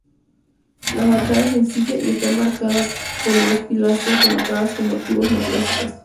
La fachada es sencilla y está enmarcada por dos pilastras rematadas con motivos neoclásicos.